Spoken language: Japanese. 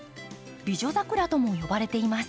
美女桜とも呼ばれています。